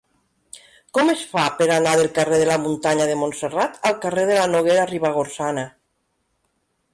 Com es fa per anar del carrer de la Muntanya de Montserrat al carrer de la Noguera Ribagorçana?